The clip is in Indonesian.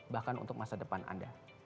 bahkan untuk masa depan anda